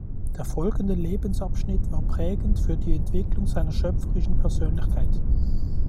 Der folgende Lebensabschnitt war prägend für die Entwicklung seiner schöpferischen Persönlichkeit.